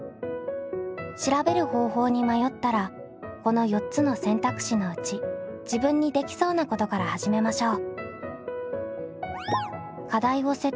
調べる方法に迷ったらこの４つの選択肢のうち自分にできそうなことから始めましょう。